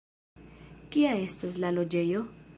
Kia estas la loĝejo?